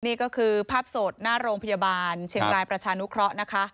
นี่ก็คือภาพสดหน้าโรงพยาบาลเชียงรายประชานุเคราะห์นะคะ